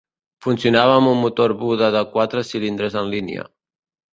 Funcionava amb un motor Buda de quatre cilindres en línia.